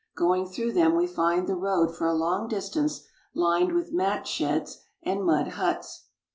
Going through them we find the road for a long distance lined with mat sheds and mud huts.